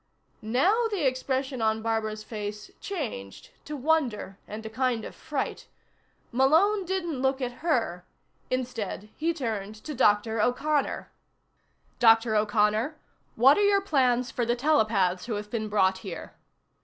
Now the expression on Barbara's face changed, to wonder and a kind of fright. Malone didn't look at her. Instead, he turned to Dr. O'Connor. "Dr. O'Connor, what are your plans for the telepaths who have been brought here?"